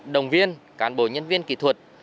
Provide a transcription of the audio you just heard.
đồng viên cán bộ nhân viên kỹ thuật